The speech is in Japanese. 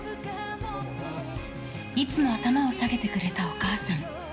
いつも頭を下げてくれたお母さん。